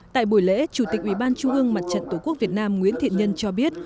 tại buổi lễ chủ tịch ủy ban trung ương mặt trận tổ quốc việt nam nguyễn thiện nhân cho biết